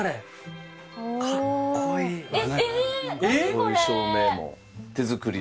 こういう照明も手作りで。